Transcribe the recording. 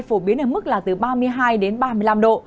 phổ biến ở mức là từ ba mươi hai đến ba mươi năm độ